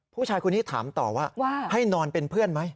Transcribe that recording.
ผู้ชายคนนี้ถามต่อว่าให้นอนเป็นเพื่อนไหม